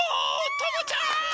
ともちゃん！